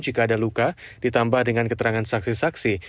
jika ada luka ditambah dengan keterangan saksi saksi